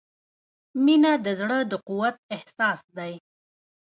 • مینه د زړۀ د قوت احساس دی.